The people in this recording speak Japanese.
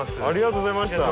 ありがとうございます。